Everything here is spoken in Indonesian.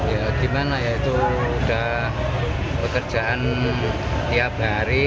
ya gimana ya itu udah pekerjaan tiap hari